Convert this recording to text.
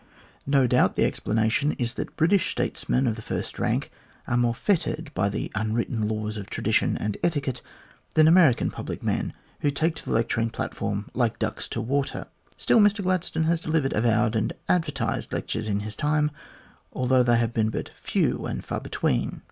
No doubt, the explanation is that British statesmen of the first rank are more fettered by the unwritten laws of tradition and etiquette than American public men, who take to the lecturing platform like ducks to water. Still, Mr Gladstone has delivered avowed and advertised lectures in his time, although they have been but few and far between.